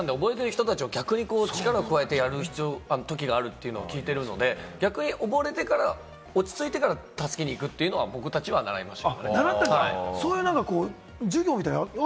溺れてる方を助けるときに、溺れるときに必死なんで、溺れてる人たちは逆に力を加えてやる必要があるというのを聞いてるので、逆に溺れてから、落ち着いてから助けに行くというのは僕たちは習いました。